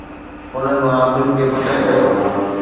انهن مان ٻن کي فتح ڪيو